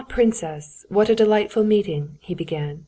princess! what a delightful meeting!" he began.